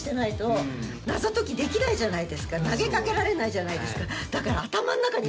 投げかけられないじゃないですかだから。